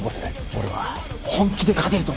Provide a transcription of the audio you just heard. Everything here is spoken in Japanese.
俺は本気で勝てると思ってる。